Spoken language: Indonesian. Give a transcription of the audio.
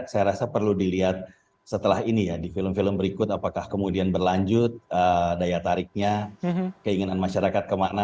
saya rasa perlu dilihat setelah ini ya di film film berikut apakah kemudian berlanjut daya tariknya keinginan masyarakat kemana